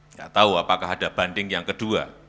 nggak tahu apakah ada banding yang kedua